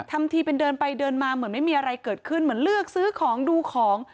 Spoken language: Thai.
ทำทีเป็นเดินไปเดินมาเหมือนไม่มีอะไรเกิดขึ้นเหมือนเลือกซื้อของดูของ